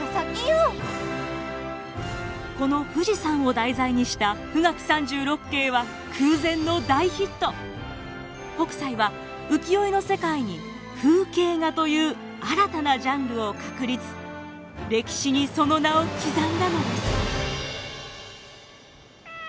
この富士山を題材にした北斎は浮世絵の世界に風景画という新たなジャンルを確立歴史にその名を刻んだのです。